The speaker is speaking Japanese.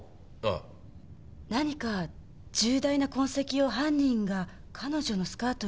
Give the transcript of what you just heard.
何か重大な痕跡を犯人が彼女のスカートに残して。